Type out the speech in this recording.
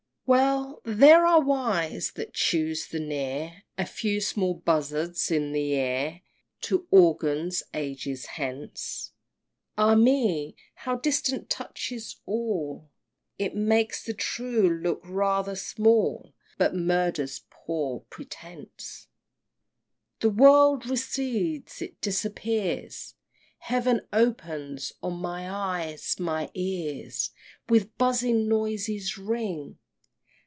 XIV. Well they are wise that choose the near, A few small buzzards in the ear, To organs ages hence! Ah me! how distance touches all; It makes the true look rather small, But murders poor pretence XV. "The world recedes! it disappears! Heav'n opens on my eyes my ears With buzzing noises ring!"